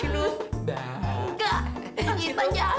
enggak nyipan jahat